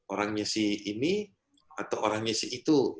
orangnya si ini atau orangnya si itu